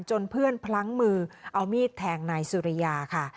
เพื่อนพลั้งมือเอามีดแทงนายสุริยาค่ะ